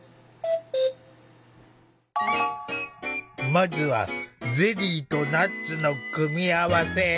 まずはゼリーとナッツの組み合わせ。